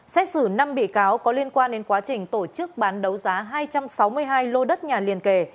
xét xử năm bị cáo có liên quan đến quá trình tổ chức bán đấu giá hai trăm sáu mươi hai lô đất nhà liên kề